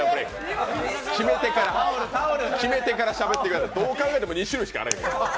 決めてからしゃべってくださいどう考えても２種類しかあらへん。